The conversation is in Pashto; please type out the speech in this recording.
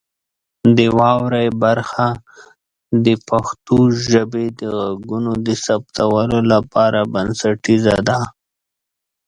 د واورئ برخه د پښتو ژبې د غږونو د ثبتولو لپاره بنسټیزه ده.